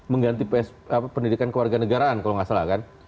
mengganti pendidikan kewarganegaraan kalau nggak salah kan